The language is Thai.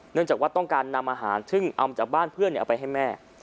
เนื่องจากว่าต้องการนำอาหารซึ่งเอาจากบ้านเพื่อนเอาไปให้แม่